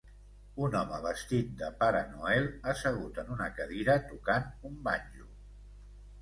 Un home vestit de Pare Noel assegut en una cadira tocant un banjo.